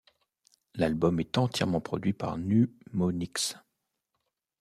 L'album est entièrement produit par Numonics.